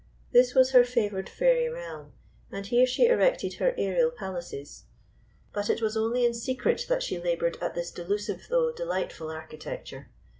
This was her favoured fairy realm, and here she erected her aerial palaces. But it was only in secret that she laboured at this delusive though delightful architecture.